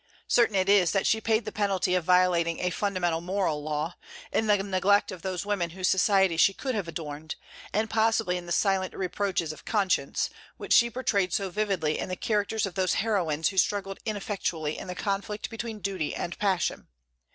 Certain it is that she paid the penalty of violating a fundamental moral law, in the neglect of those women whose society she could have adorned, and possibly in the silent reproaches of conscience, which she portrayed so vividly in the characters of those heroines who struggled ineffectually in the conflict between duty and passion.